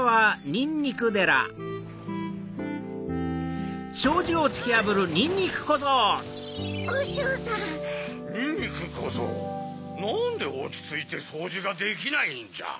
にんにくこぞうなんでおちついてそうじができないんじゃ？